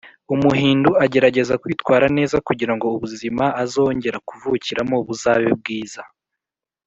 umuhindu agerageza kwitwara neza kugira ngo ubuzima azongera kuvukiramo buzabe bwiza.